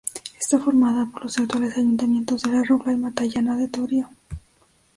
Está formada por los actuales ayuntamientos de La Robla y Matallana de Torío.